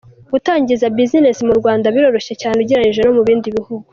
gutangiza business mu Rwanda biroroshye cyane ugereranyije no mu bindi bihugu.